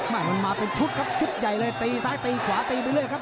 มันมาเป็นชุดครับชุดใหญ่เลยตีซ้ายตีขวาตีไปเรื่อยครับ